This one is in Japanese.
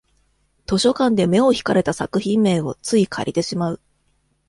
図書館で目を引かれた作品名をつい借りてしまう